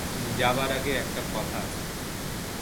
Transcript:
যাবার আগে একটা কথা আছে।